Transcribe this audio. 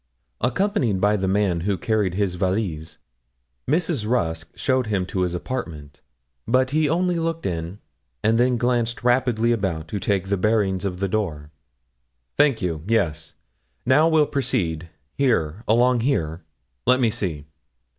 Accompanied by the man who carried his valise, Mrs. Rusk showed him to his apartment; but he only looked in, and then glanced rapidly about to take 'the bearings' of the door. 'Thank you yes. Now we'll proceed, here, along here? Let me see.